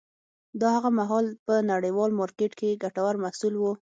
دا هغه مهال په نړیوال مارکېټ کې ګټور محصول و